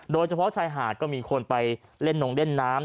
โดยเฉพาะชายหาดก็มีคนไปเล่นนงเล่นน้ำ